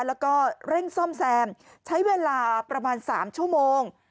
แล้วก็เร่งซ่อมแซมใช้เวลาประมาณ๓ชั่วโมง